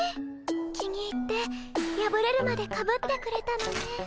気に入ってやぶれるまでかぶってくれたのね。